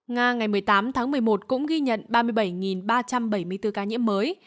nga ngày một mươi tám tháng một mươi một cũng ghi nhận ba mươi bảy ba trăm bảy mươi bốn ca nhiễm mới